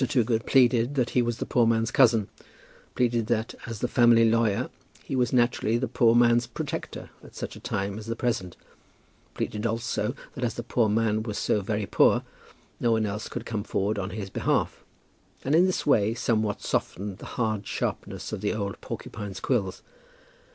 Toogood pleaded that he was the poor man's cousin, pleaded that, as the family lawyer, he was naturally the poor man's protector at such a time as the present, pleaded also that as the poor man was so very poor, no one else could come forward on his behalf, and in this way somewhat softened the hard sharpness of the old porcupine's quills.